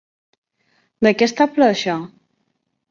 De què està ple això?